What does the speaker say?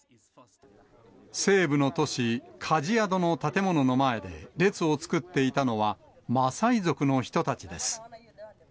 西部の都市カジアドの建物の前で列を作っていたのは、マサイ族の人たちです。